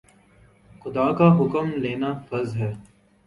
خدا کا حکم مان لینا فرض ہے